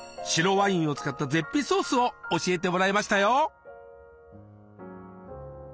白ワインを使った絶品ソースを教えてもらいましたよ。